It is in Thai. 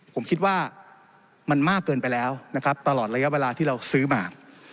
ผมคิดว่ามันมากเกินไปแล้วนะครับตลอดระยะเวลาที่เราซื้อมา